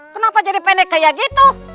kenapa jadi pendek kayak gitu